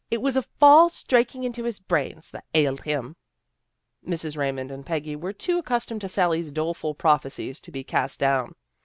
It was a fall striking into his brains that ailed him." Mrs. Raymond and Peggy were too accus tomed to Sally's doleful prophecies to be cast down.